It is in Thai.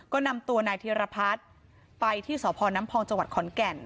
ก็นำตัวนายธีรพัฒน์ไปที่สนพจขอนแก่น